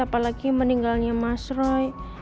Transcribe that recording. apalagi meninggalnya mas rai